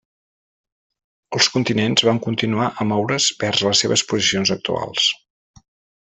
Els continents van continuar a moure's vers les seves posicions actuals.